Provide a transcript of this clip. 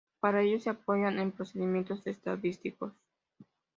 Para ello se apoya en procedimientos estadísticos.